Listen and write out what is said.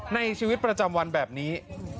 ในชีวิตประจำวันแบบนี้